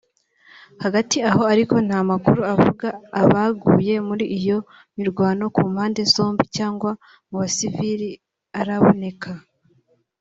Hagati aho ariko nta makuru avuga ababa baguye muri iyo mirwano ku mpande zombi cyangwa mu basivili araboneka